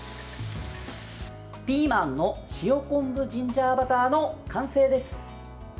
ピーマンの塩昆布ジンジャーバターの完成です。